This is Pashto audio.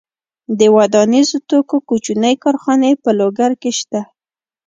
د ودانیزو توکو کوچنۍ کارخونې په لوګر کې شته.